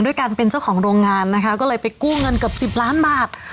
การเป็นเจ้าของโรงงานนะคะก็เลยไปกู้เงินเกือบสิบล้านบาท